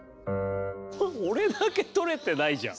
俺だけ取れてないじゃん。